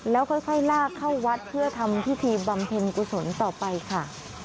แล้วค่อยลากเข้าวัดเพื่อทำพิธีบำเพ็ญกุศลต่อไปค่ะ